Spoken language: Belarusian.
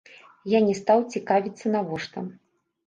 Я не стаў цікавіцца навошта.